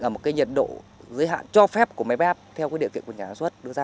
ở một cái nhiệt độ giới hạn cho phép của máy bép theo cái điều kiện của nhà sản xuất đưa ra